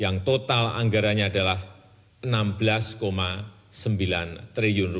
yang total anggarannya adalah rp enam belas sembilan triliun